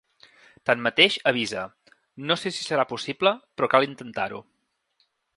Tanmateix, avisa: ‘No sé si serà possible, però cal intentar-ho’.